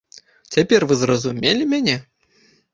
Цяпер вы зразумелі мяне?